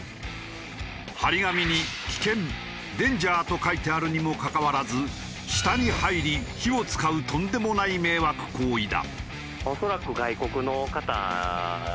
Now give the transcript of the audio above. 貼り紙に「危険ＤＡＮＧＥＲ」と書いてあるにもかかわらず下に入り火を使うとんでもない迷惑行為だ。